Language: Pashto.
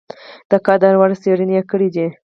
د قدر وړ څېړني کړي دي ۔